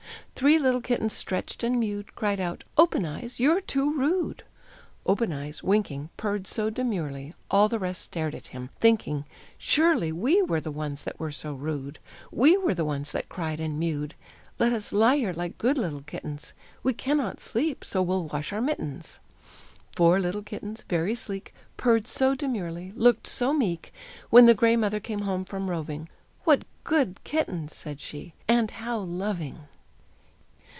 Three little kittens stretched and mewed; Cried out, "Open eyes, you're too rude!" Open eyes, winking, purred so demurely, All the rest stared at him, thinking "surely We were the ones that were so rude, We were the ones that cried and mewed; Let us lie here like good little kittens; We cannot sleep, so we'll wash our mittens." Four little kittens, very sleek, Purred so demurely, looked so meek, When the gray mother came home from roving "What good kittens!" said she; "and how loving!"